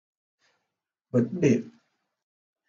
vĩnh biệt